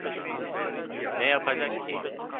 Ne yapacak ki?